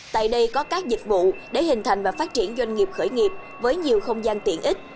tại đây có các dịch vụ để hình thành và phát triển doanh nghiệp khởi nghiệp với nhiều không gian tiện ích